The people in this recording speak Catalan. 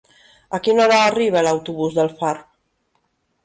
A quina hora arriba l'autobús d'Alfarb?